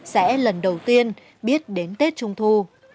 sẽ lần đầu tiên biết đến tết trung thu